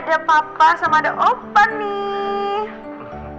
ada papa sama ada opa nih